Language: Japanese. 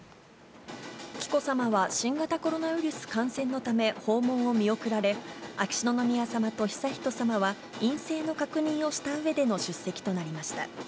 紀子さまは、新型コロナウイルス感染のため訪問を見送られ、秋篠宮さまと悠仁さまは、陰性の確認をしたうえでの出席となりました。